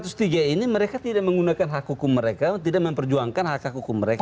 tapi dua ratus tiga ini mereka tidak menggunakan hak hukum mereka tidak memperjuangkan hak hukum mereka